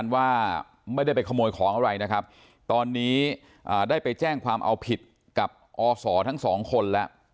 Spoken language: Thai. ว่าไม่ได้ไปขโมยของอะไรนะครับตอนนี้ได้ไปแจ้งความเอาผิดกับอศทั้งสองคนแล้ว